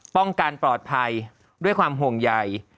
ป้องกันปลอดภัยด้วยความห่วงใหญ่